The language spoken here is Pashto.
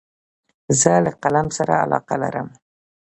زه له قلم سره علاقه لرم.